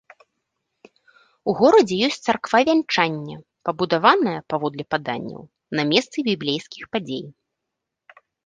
У горадзе ёсць царква вянчання, пабудаваная, паводле падання, на месцы біблейскіх падзей.